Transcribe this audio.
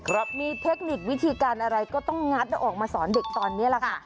ครับมีเทคนิควิธีการอะไรก็ต้องงัดแล้วออกมาสอนเด็กตอนนี้แหละค่ะ